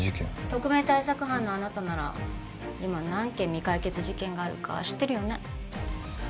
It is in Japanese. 特命対策班のあなたなら今何件未解決事件があるか知ってるよね？